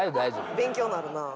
勉強になるな。